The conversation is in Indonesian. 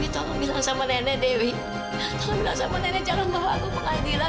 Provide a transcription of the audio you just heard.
tolong bilang sama nenek jangan bawa aku ke pengadilan